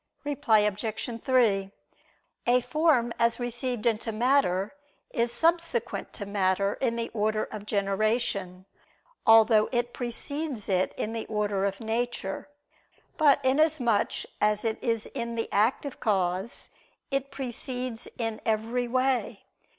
Reply Obj. 3: A form as received into matter, is subsequent to matter in the order of generation, although it precedes it in the order of nature: but inasmuch as it is in the active cause, it precedes in every way.